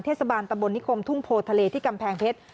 เทศบาลตำบลนิคมทุ่งโพทะเลที่กำแพงเพชร